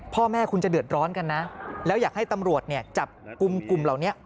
พ่อแม่คุณจะเดือดร้อนกันนะแล้วอยากให้ตำรวจเนี่ยจับกลุ่มกลุ่มเหล่านี้